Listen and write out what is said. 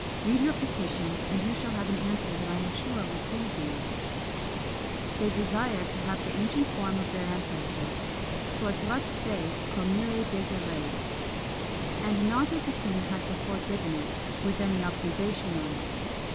Read your petition, and you shall have an answer that I am sure will please you." They desired to have the ancient form of their ancestors, "Soit droit fait come il est desyré," and not as the king had before given it, with any observation on it.